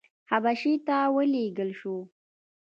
حبشې ته ولېږل شو.